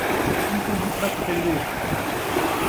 اینکوں مٹھا پٹیندے